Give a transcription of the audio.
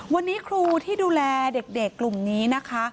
วันนี้ครูที่ดูแลเด็กกลุ่มนี้นะคะ